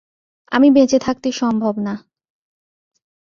আমি বেঁচে থাকতে সম্ভব না।